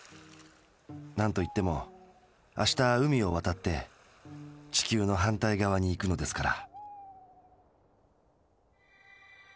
なんといっても明日海をわたって地球の反対側に行くのですから。